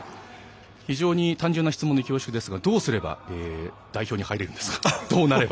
非常に単純な質問で恐縮ですがどうすれば代表に入れるんですか。